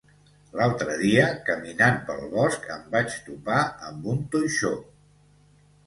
L'altre dia, caminant pel bosc em vaig topar amb un toixó